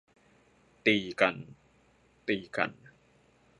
ตีกัน ตีกัน